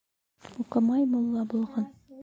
Уҡымай мулла булған